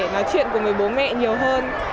nói chuyện cùng với bố mẹ nhiều hơn